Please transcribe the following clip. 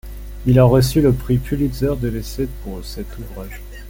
Il a reçu le prix Pulitzer de l'essai pour cet ouvrage.